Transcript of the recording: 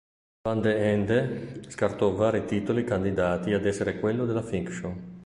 Van de Ende scartò vari titoli "candidati" ad essere quello della fiction.